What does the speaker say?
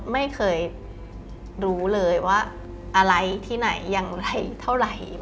ไม่เคยรู้เลยว่าอะไรที่ไหนอย่างไรเท่าไหร่